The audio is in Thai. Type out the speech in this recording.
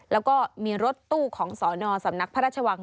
แล้วก็มีรถตู้ของสนสำนักพระราชวัง